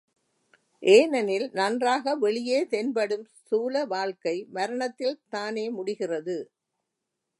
ஏனெனில், நன்றாக வெளியே தென்படும் ஸ்தூல வாழ்க்கை மரணத்தில் தானே முடிகிறது!